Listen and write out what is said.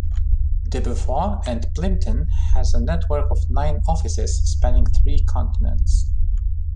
Debevoise and Plimpton has a network of nine offices spanning three continents.